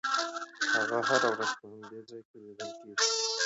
هغه هره ورځ په همدې ځای کې لیدل کېږي.